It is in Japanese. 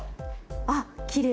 あっきれいに。